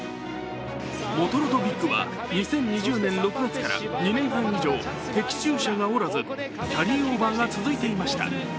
モトロトＢＩＧは２０２０年６月から２年半以上的中者がおらず、キャリーオーバーが続いていました。